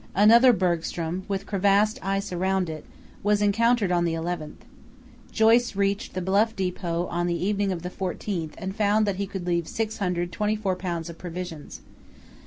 Another bergstrom, with crevassed ice around it, was encountered on the 11th. Joyce reached the Bluff depot on the evening of the 14th and found that he could leave 624 lbs. of provisions.